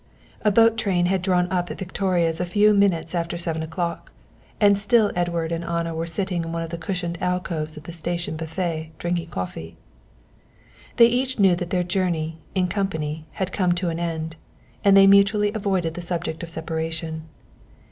The boat train had drawn up at Victoria a few minutes after seven o'clock, and still Edward and Anna were sitting in one of the cushioned alcoves of the station buffet drinking coffee. They each knew that their journey, in company, had come to an end, and they mutually avoided the subject of separation.